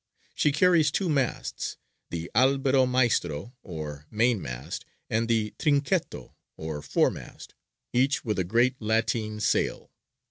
She carries two masts the albero maestro or mainmast, and the trinchetto, or foremast, each with a great lateen sail.